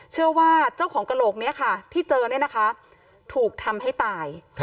เชื่อว่าเจ้าของกะโหลกที่เจอนั้นถูกทำให้ตาย